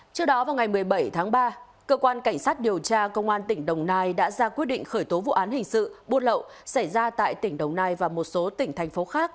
trước đó vào ngày một mươi bảy tháng ba cơ quan cảnh sát điều tra công an tỉnh đồng nai đã ra quyết định khởi tố vụ án hình sự buôn lậu xảy ra tại tỉnh đồng nai và một số tỉnh thành phố khác